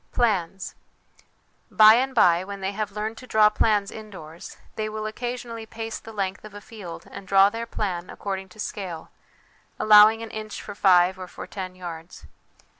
Plans. By and by, when they have learned to draw plans indoors, they will occasionally pace the length of a field and draw their plan according to scale, allow ing an inch for five or for ten yards.